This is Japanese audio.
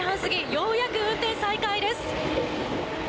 ようやく運転再開です。